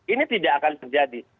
ini tidak akan terjadi